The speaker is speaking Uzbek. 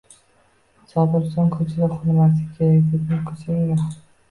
Sobirjon! Koʻchada uxlamaslik kerak, dedim-ku senga.